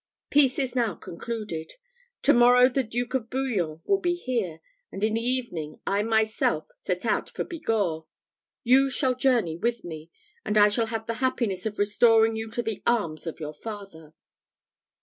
Peace is now concluded. To morrow the Duke of Bouillon will be here, and in the evening I myself set out for Bigorre. You shall journey with me, and I shall have the happiness of restoring you to the arms of your father."